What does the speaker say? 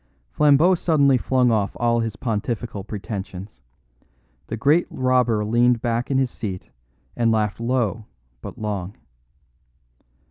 Flambeau suddenly flung off all his pontifical pretensions. The great robber leaned back in his seat and laughed low but long.